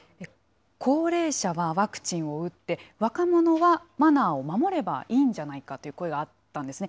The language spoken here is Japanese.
高齢者はワクチンを打って、若者はマナーを守ればいいんじゃないかという声があったんですね。